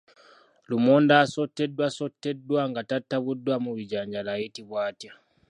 Lumonde asotteddwasoteddwa nga tatabuddwamu bijanjaalo ayitibwa atya?